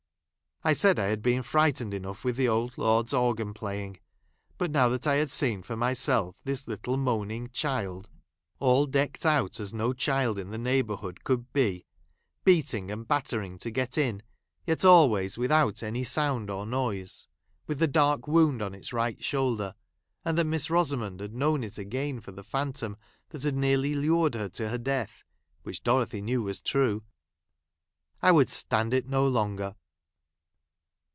I said I had been frightened enough with the old lord's j organ playing ; but now, that I had seen for myself this little moaning child, all decked out as no child in the neighbourhood could be, beating and battering to get in, yet always without any sound or noise — with the dark wound on its right shoulder ; and that Miss Eosamond had known it again for the phantom that had nearly lured her to her death (which Dorothy knew was true) ; I would stand it i no longer.